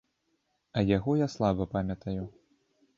А яго я слаба памятаю.